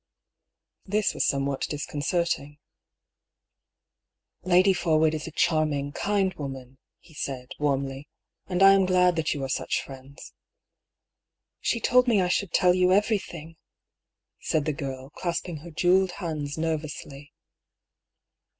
This was somewhat disconcerting. "Lady Forwood is a charming, kind woman," he said, warmly ;" and I am glad that you are such friends." " She told me I should tell you everything !" said the girl, clasping her jewelled hands nervously.